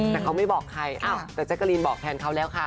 แต่เขาไม่บอกใครแต่แจ๊กกะรีนบอกแทนเขาแล้วค่ะ